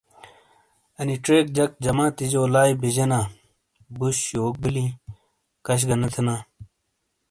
انی چیک جک جماتیجو لائی بیجینا بوش یوک بیلیں کش گہ نے تھینا ۔